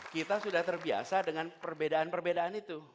kita sudah terbiasa dengan perbedaan perbedaan itu